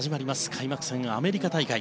開幕戦、アメリカ大会。